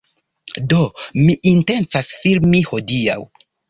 Do mi intencas filmi hodiaŭ.